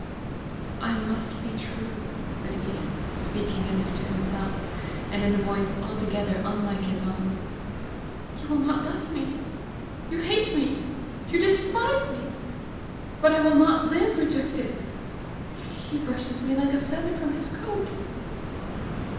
"I must be true!" said Ian, speaking as if to himself, and in a voice altogether unlike his own. "You will not love me! You hate me! You despise me! But I will not live rejected! He brushes me like a feather from his coat!"